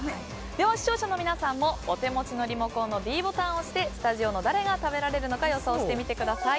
視聴者の皆さんもお手持ちのリモコンのｄボタンを押してスタジオの誰が食べられるか予想してみてください。